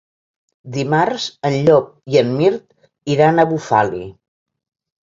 Dimarts en Llop i en Mirt iran a Bufali.